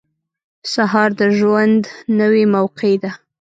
• سهار د ژوند نوې موقع ده.